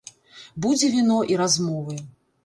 Будзе віно і размовы!